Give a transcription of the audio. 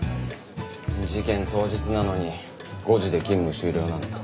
事件当日なのに５時で勤務終了なんて。